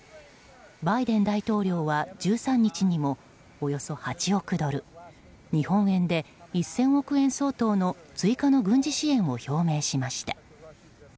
バイデン大統領は１３日にもおよそ８億ドル日本円で１０００億円相当の追加の軍事支援を表明しました。